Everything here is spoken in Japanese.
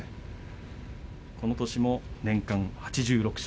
この年も年間８６勝。